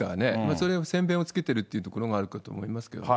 それを先べんをつけてるっていうところがあるかと思いますけどね。